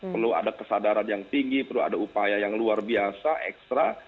perlu ada kesadaran yang tinggi perlu ada upaya yang luar biasa ekstra